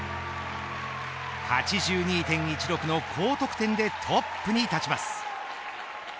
８２．１６の好得点でトップに立ちます。